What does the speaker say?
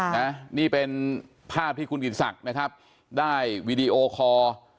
นะนี่เป็นภาพที่คุณกิจศักดิ์นะครับได้วีดีโอคอร์